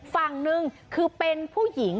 ฝั่งหนึ่งคือเป็นผู้หญิง